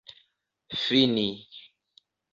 fini